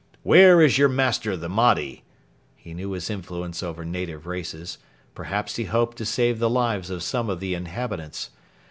'Where is your master, the Mahdi?' He knew his influence over native races. Perhaps he hoped to save the lives of some of the inhabitants.